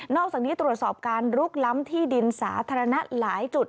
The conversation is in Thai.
อกจากนี้ตรวจสอบการลุกล้ำที่ดินสาธารณะหลายจุด